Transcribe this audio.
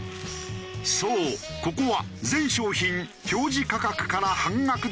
そうここは全商品表示価格から半額で買える店。